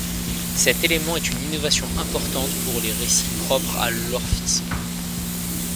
Cet élément est une innovation importante pour les récits propres à l'orphisme.